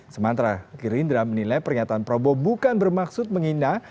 sementara gerindra menilai pernyataan prabowo bukan bermaksud menghina